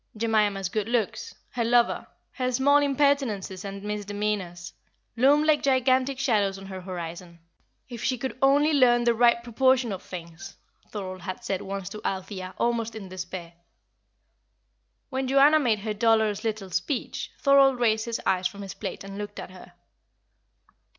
Jemima's good looks, her lover, her small impertinences and misdemeanours, loomed like gigantic shadows on her horizon. "If she could only learn the right proportion of things!" Thorold had said once to Althea, almost in despair. When Joanna made her dolorous little speech, Thorold raised his eyes from his plate and looked at her.